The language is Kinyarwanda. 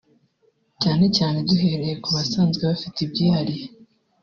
cyane cyane duhereye ku basanzwe bafite ibyihariye